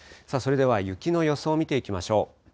それでは雪の予想を見ていきましょう。